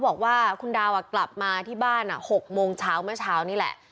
บอกว่าคุณดาวกลับมาที่บ้าน๖โมงเช้าเมื่อเช้านี่แหละ